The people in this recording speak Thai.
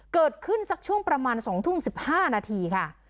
เกิดขึ้นสักช่วงประมาณ๒ทุ่ม๑๕นาทีค่ะ